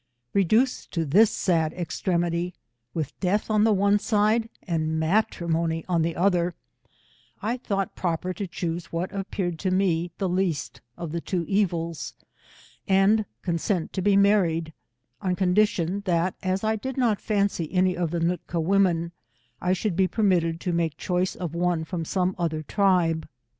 Reduced to this sad extremity, with death on the one side, and matrimony on the other, I thought proper to choose what appeared to me the least of the two evils, and consent to be married, on condition, that'as I did cot fancy any of the Nootka women, I should be permitted to make choice of one from some olher tribe.